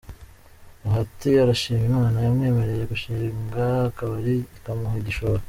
Bahati arashima Imana yamwemereye gushinga akabari ikamuha igishoro.